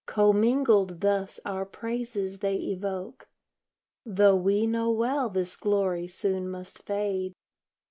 Co mingled thus our praises they evoke, Tho' we know well this glory soon must fade.